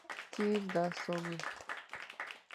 Tsvr sa soghbe.